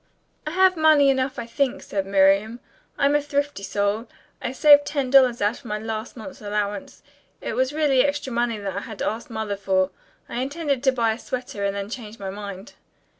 "I have money enough, I think," said Miriam. "I am a thrifty soul. I saved ten dollars out of my last month's allowance. It was really extra money that I had asked Mother for. I intended to buy a sweater and then changed my mind."